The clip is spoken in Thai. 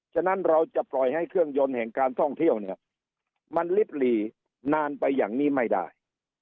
ฉะนั้นเราจะปล่อยให้เครื่องยนต์แห่งการท่องเที่ยวเนี่ยมันลิบหลีนานไปอย่างนี้ไม่ได้